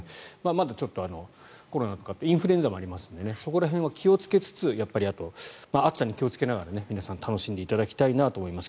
まだちょっとコロナとかインフルエンザもありますのでそこら辺は気をつけつつあと、暑さに気をつけながら皆さん楽しんでいただきたいなと思います。